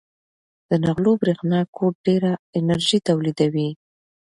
د نغلو برېښنا کوټ ډېره انرژي تولیدوي.